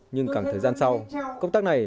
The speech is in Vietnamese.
nhưng càng thời gian sau công tác này